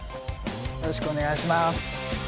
よろしくお願いします。